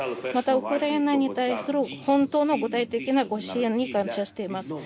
またウクライナに対する本当の具体的なご支援に感謝しています。